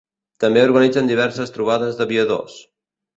També organitzen diverses trobades d'aviadors.